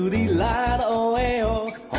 อ้อนี่แหละฮะ